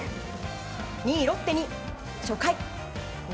２位ロッテに初回。